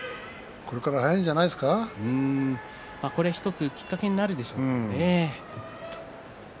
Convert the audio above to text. これから１つきっかけになるでしょうね。